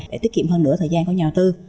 để tiết kiệm hơn nửa thời gian của nhà tư